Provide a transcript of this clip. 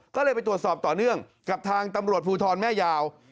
ก็เลยไปตรวจสอบต่อเนื่องกับทางตำรวจภูทรแม่ยาว